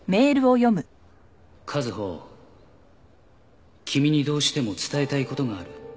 「和穂君にどうしても伝えたいことがある」